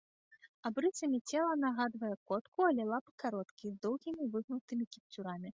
Абрысамі цела нагадвае котку, але лапы кароткія, з доўгімі выгнутымі кіпцюрамі.